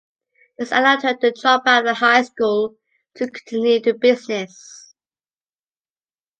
This allowed her to drop out of high school to continue the business.